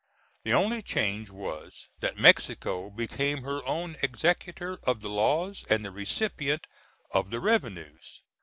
The only change was, that Mexico became her own executor of the laws and the recipient of the revenues.